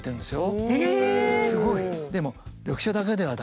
すごい！